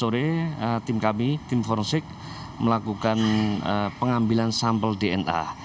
oleh tim kami tim forosik melakukan pengambilan sampel dna